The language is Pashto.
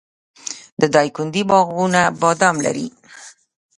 د دایکنډي باغونه بادام لري.